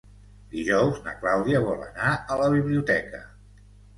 Dijous na Clàudia vol anar a la biblioteca.